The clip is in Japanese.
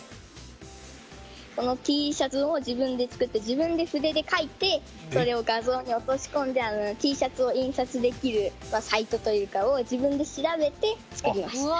このＴシャツを自分で作って自分で筆で書いてそれを画像に落とし込んでＴシャツを印刷できるサイトを自分で調べて、作りました。